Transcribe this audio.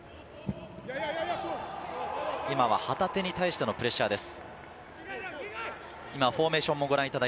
今は旗手に対してのプレッシャーです。